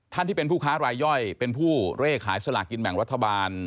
ที่เป็นผู้ค้ารายย่อยเป็นผู้เลขขายสลากินแบ่งรัฐบาล